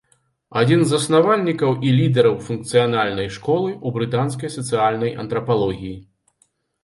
Адзін з заснавальнікаў і лідараў функцыянальнай школы ў брытанскай сацыяльнай антрапалогіі.